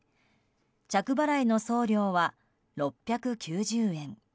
着払いの送料は６９０円。